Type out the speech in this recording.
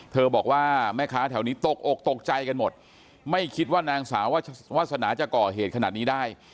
บอกว่าแม่ค้าแถวนี้ตกอกตกใจกันหมดไม่คิดว่านางสาววาสนาจะก่อเหตุขนาดนี้ได้